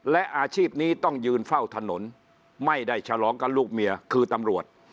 และอาชีพนี้ต้องยืนเฝ้าถนนไม่ได้ฉลองกับลูกเมียคือตำรวจ